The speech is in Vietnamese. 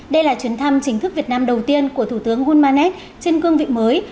đây là chuyến thăm chính thức việt nam đầu tiên của thủ tướng hulmanet trên cương vị mới